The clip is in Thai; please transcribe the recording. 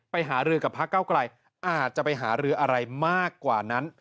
หารือกับพระเก้าไกลอาจจะไปหารืออะไรมากกว่านั้น